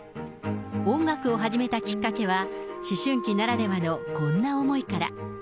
音楽を始めたきっかけは、思春期ならではのこんな思いから。